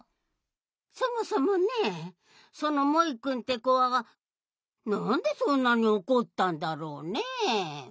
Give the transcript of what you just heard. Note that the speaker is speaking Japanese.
そもそもねそのモイくんってこはなんでそんなにおこったんだろうねえ。